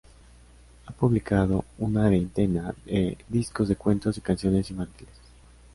Ha publicado una veintena de discos de cuentos y canciones infantiles.